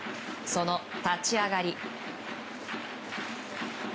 その立ち上がり。